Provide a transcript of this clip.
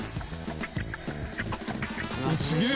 すげえ！